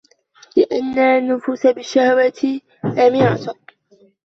لِأَنَّ النُّفُوسَ بِالشَّهَوَاتِ آمِرَةٌ